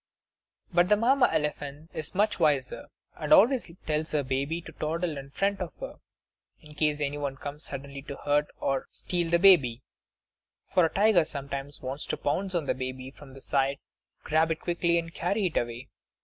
But the Mamma elephant is much wiser, and always tells her baby to toddle in front of her, in case any one comes suddenly to hurt or steal the baby. For a tiger sometimes wants to pounce on the baby from the side, grab it quickly, and carry it away.